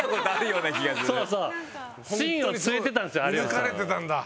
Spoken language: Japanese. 見抜かれてたんだ。